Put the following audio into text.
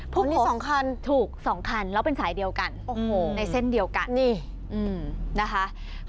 พุกหกถูก๒คันแล้วเป็นสายเดียวกันในเส้นเดียวกันนะคะพุกหกถูก๒คันแล้วเป็นสายเดียวกันในเส้นเดียวกัน